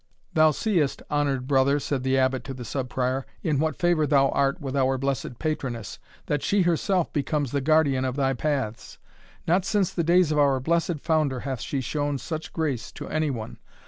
"Thou seest, honoured brother," said the Abbot to the Sub Prior, "in what favour thou art with our blessed Patroness, that she herself becomes the guardian of thy paths Not since the days of our blessed founder hath she shown such grace to any one.